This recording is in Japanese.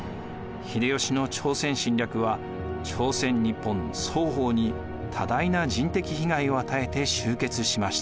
秀吉の朝鮮侵略は朝鮮日本双方に多大な人的被害を与えて終結しました。